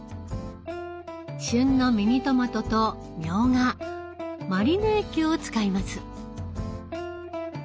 旬のミニトマトとみょうがマリネ液を使います。